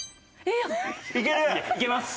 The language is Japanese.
いけます。